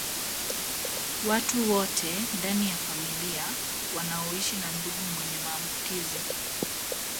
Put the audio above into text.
Watu wote ndani ya familia wanaoshi na ndugu mwenye maambukizi